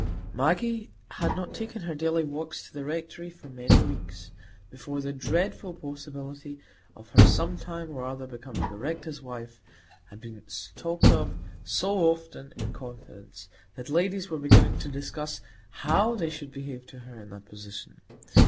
Maggie had not taken her daily walks to the Rectory for many weeks, before the dreadful possibility of her some time or other becoming the Rector's wife had been talked of so often in confidence, that ladies were beginning to discuss how they should behave to her in that position.